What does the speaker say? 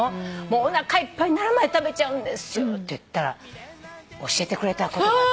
おなかいっぱいになるまで食べちゃうんですって言ったら教えてくれたことがあって。